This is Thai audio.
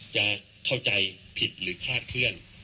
จะเข้าใจผิดหรือคลาดเคลื่อน